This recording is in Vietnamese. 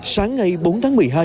sáng ngày bốn tháng một mươi hai